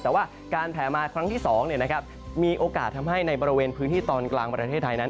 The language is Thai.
แต่ว่าการแผลมาครั้งที่๒มีโอกาสทำให้ในบริเวณพื้นที่ตอนกลางประเทศไทยนั้น